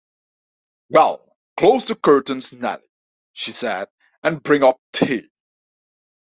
‘Well, close the curtains, Nelly,’ she said; ‘and bring up tea'.